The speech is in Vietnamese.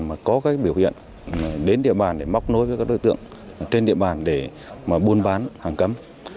mà có các biểu hiện đến địa bàn để móc nối với các đối tượng trên địa bàn để mà buôn bán hàng cấm